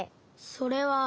それは。